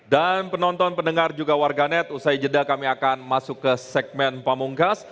dan penonton pendengar juga warganet usai jeda kami akan masuk ke segmen pamungkas